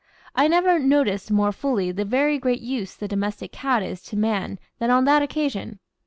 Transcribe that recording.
I never NOTICED more fully the very great use the domestic cat is to man than on that occasion.